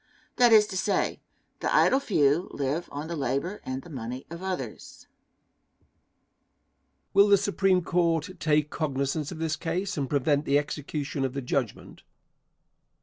That is to say: The idle few live on the labor and the money of others. Question. Will the Supreme Court take cognizance of this case and prevent the execution of the judgment?